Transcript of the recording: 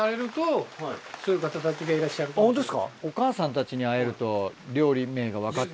ホントですか。